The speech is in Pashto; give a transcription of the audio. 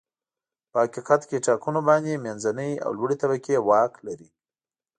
په حقیقت کې ټاکنو باندې منځنۍ او لوړې طبقې واک لري.